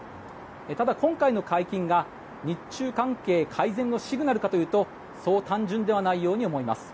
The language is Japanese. ただ今回の解禁が日中関係改善のシグナルかというとそう単純ではないように見えます。